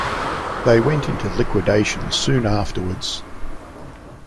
They went into liquidation soon afterwards.